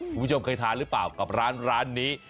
คุณผู้ชมเคยทานหรือเปล่ากับร้านนี้